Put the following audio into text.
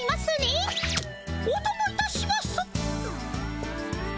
おともいたします。